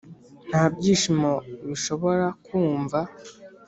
nta byishimo bishobora kumva.